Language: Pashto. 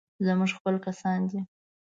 زموږ خپل کسان دي.